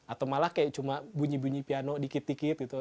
atau malah kayak cuma bunyi bunyi piano dikit dikit gitu